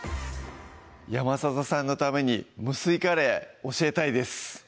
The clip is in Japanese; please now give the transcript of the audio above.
山里さんのために無水カレー教えたいです